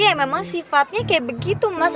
ya memang sifatnya kayak begitu mas